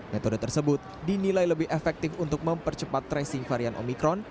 metode tersebut dinilai lebih efektif untuk mempercepat tracing varian omikron